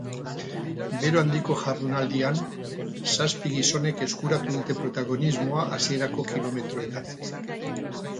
Bero handiko jardunaldian, zazpi gizonek eskuratu dute protagonismoa hasierako kilometroetan.